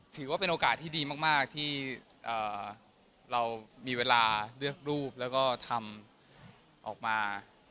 ถือว่าเป็นโอกาสที่ดีมากที่เรามีเวลาเลือกรูปแล้วก็ทำออกมา